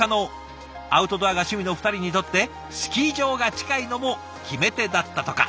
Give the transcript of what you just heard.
アウトドアが趣味の２人にとってスキー場が近いのも決め手だったとか。